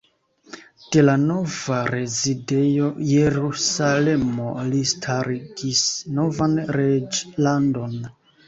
De la nova rezidejo Jerusalemo li starigis novan reĝlandon.